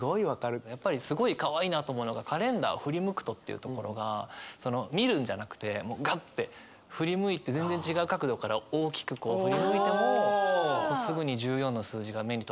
やっぱりすごいかわいいなと思うのが「カレンダーを振り向くと」っていうところがその見るんじゃなくてガッて振り向いて全然違う角度から大きくこう振り向いてもすぐに１４の数字が目に飛び込んで。